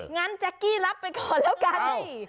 แจ๊กกี้รับไปก่อนแล้วกัน